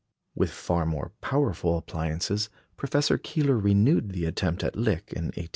With far more powerful appliances, Professor Keeler renewed the attempt at Lick in 1890 91.